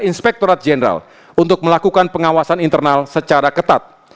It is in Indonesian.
inspektorat jenderal untuk melakukan pengawasan internal secara ketat